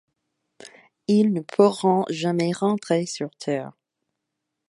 Ils ne pourront jamais rentrer sur Terre.